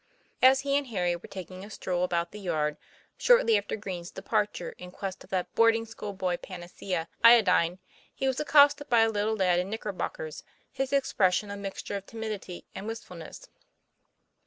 As he and Harry were taking a stroll about the yard, shortly after Green's departure in quest of that boarding school boy panacea, iodine, he was accosted by a little lad in knickerbockers, his expression a mixture of timidity and wistfulness.